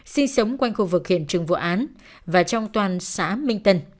sinh sống quanh khu vực hiện trường vụ án và trong toàn xã minh tân